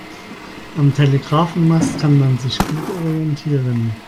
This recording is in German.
Am Telegrafenmast kann man sich gut orientieren.